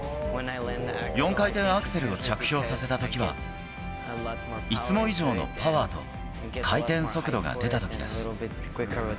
４回転アクセルを着氷させたときは、いつも以上のパワーと、回転速度が出たときです。